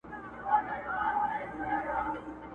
په یوه حمله یې پورته کړه له مځکي،